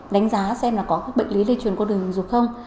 đánh giá xem là có các bệnh lý lây truyền của đường dục không